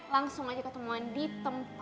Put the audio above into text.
langsung aja ketemuan di tempat